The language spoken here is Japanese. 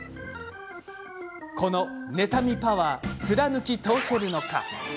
この妬みパワー、貫き通せるのか。